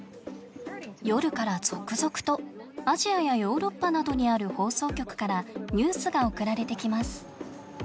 夜から続々とアジアやヨーロッパなどにある放送局からニュースが送られてきます。